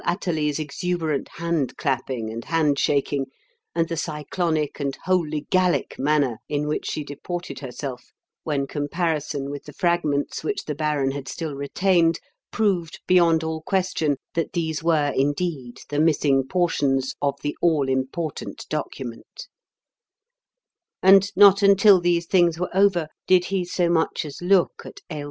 Athalie's exuberant hand clapping and hand shaking and the cyclonic and wholly Gallic manner in which she deported herself when comparison with the fragments which the baron had still retained proved beyond all question that these were indeed the missing portions of the all important document; and not until these things were over did he so much as look at Ailsa Lorne again.